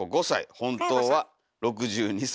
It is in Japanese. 本当は６２歳。